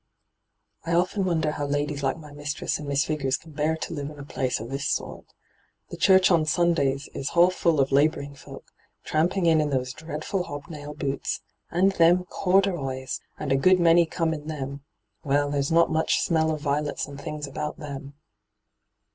' I often wonder how ladies like my mistress and Miss Vigors can bear to live in a place of this sort. The church on Sundays is half fall of labouring folk, tramping in in those dreadful hobnail boots. And them corduroys !— and a good many come in them — 'Well, there's not much smell of violets and things about them.'